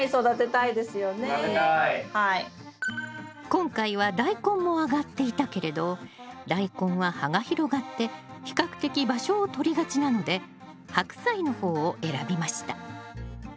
今回はダイコンも挙がっていたけれどダイコンは葉が広がって比較的場所を取りがちなのでハクサイの方を選びました